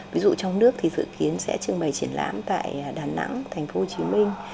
ví dụ trong nước thì dự kiến sẽ trưng bày triển lãm tại đà nẵng thành phố hồ chí minh